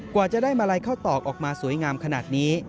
กว่าจะได้มาลัยข้าวตอกออกมาสวยงามขนาดนี้